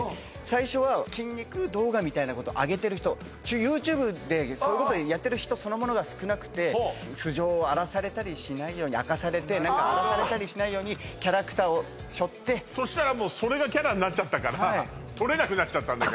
最初は筋肉動画みたいなことあげてる人ＹｏｕＴｕｂｅでそういうことやってる人そのものが少なくて素性を荒らされたりしないように明かされて何か荒らされたりしないようにキャラクターをしょってそしたらもうそれがキャラになっちゃったから取れなくなっちゃったんだ